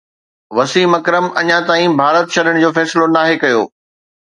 وسيم اڪرم اڃا تائين ڀارت ڇڏڻ جو فيصلو ناهي ڪيو